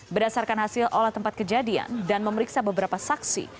berdasarkan hasil olah tempat kejadian dan memeriksa beberapa saksi